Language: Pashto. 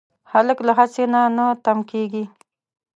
هلک له هڅې نه نه تم کېږي.